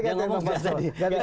tunggu dulu ini saya jadi santri tadi